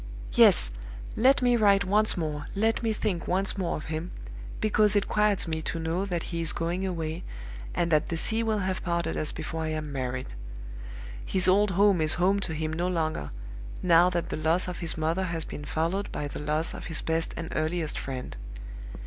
"Yes! Let me write once more let me think once more of him, because it quiets me to know that he is going away, and that the sea will have parted us before I am married. His old home is home to him no longer, now that the loss of his mother has been followed by the loss of his best and earliest friend.